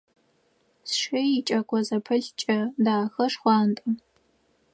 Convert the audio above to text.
Сшы икӏэко зэпылъ кӏэ, дахэ, шхъуантӏэ.